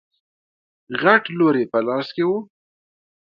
غټ لور يې په لاس کې و.